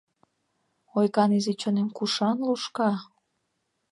Ойган изи чонем кушан лушка?